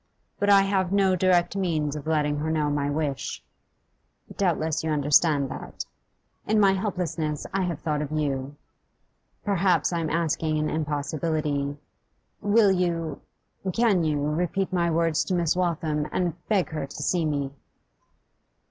But I have no direct means of letting her know my wish; doubtless you understand that. In my helplessness I have thought of you. Perhaps I am asking an impossibility. Will you can you repeat my words to Miss Waltham, and beg her to see me?